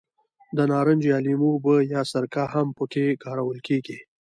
د نارنج یا لیمو اوبه یا سرکه هم په کې کارول کېږي.